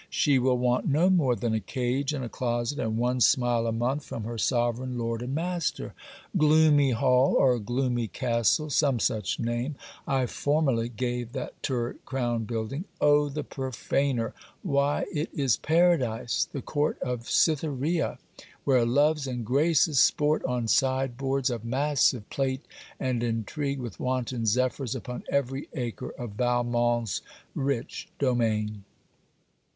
She will want no more than a cage, and a closet, and one smile a month from her sovereign Lord and master. Gloomy Hall, or gloomy Castle some such name, I formerly gave that turret crowned building. Oh, the profaner! Why it is paradise! the court of Cytherea! where loves and graces sport on sideboards of massive plate, and intrigue with wanton zephyrs upon every acre of Valmont's rich domain!